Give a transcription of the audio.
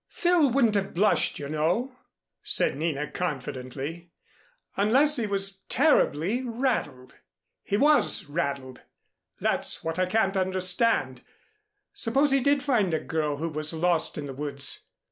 "Phil wouldn't have blushed you know," said Nina confidently, "unless he was terribly rattled. He was rattled. That's what I can't understand. Suppose he did find a girl who was lost in the woods.